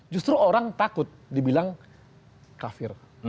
justru orang takut dibilang kafir